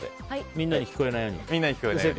みんなに聞こえないように。